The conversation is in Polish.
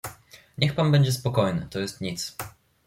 "„Niech pan będzie spokojny, to jest nic."